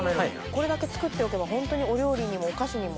これだけ作っておけばホントにお料理にもお菓子にも。